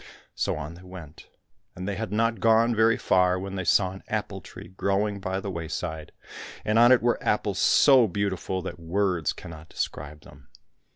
So on they went, and they had not gone very far when they saw an apple tree growing by the way side, and on it were apples so beautiful that words cannot describe them.